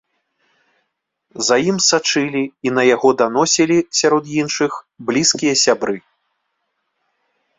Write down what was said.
За ім сачылі і на яго даносілі, сярод іншых, блізкія сябры.